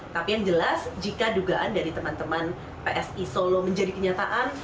tapi yang jelas jika dugaan dari teman teman psi solo menjadi kenyataan